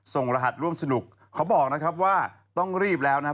รหัสร่วมสนุกเขาบอกนะครับว่าต้องรีบแล้วนะครับ